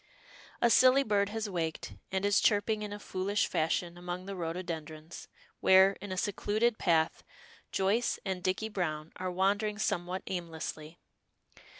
A silly bird has waked, and is chirping in a foolish fashion among the rhododendrons, where, in a secluded path, Joyce and Dicky Browne are wandering somewhat aimlessly.